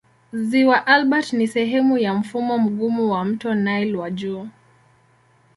Ziwa Albert ni sehemu ya mfumo mgumu wa mto Nile wa juu.